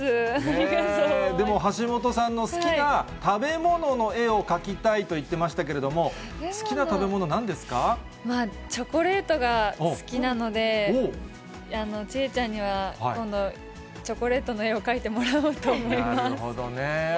でも、橋本さんの好きな食べ物の絵を描きたいと言ってましたけども、チョコレートが好きなので、知恵ちゃんには今度、チョコレートの絵を描いてもらおうと思いまなるほどね。